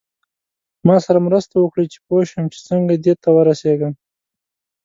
ما سره مرسته وکړئ چې پوه شم چې څنګه دې ته ورسیږم.